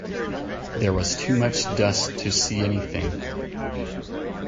There was too much dust to see anything.